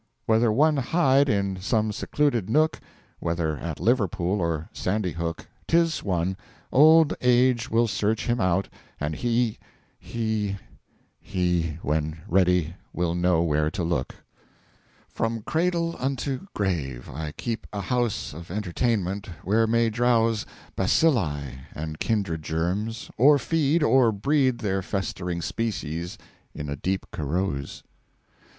Whether one hide in some secluded Nook Whether at Liverpool or Sandy Hook 'Tis one. Old Age will search him out and He He He when ready will know where to look. From Cradle unto Grave I keep a House OF Entertainment where may drowse Bacilli and kindred Germs or feed or breed Their festering Species in a deep Carouse.